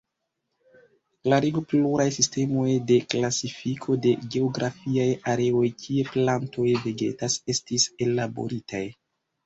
Klarigo Pluraj sistemoj de klasifiko de geografiaj areoj kie plantoj vegetas, estis ellaboritaj.